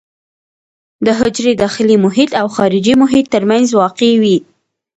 د حجرې داخلي محیط او خارجي محیط ترمنځ واقع وي.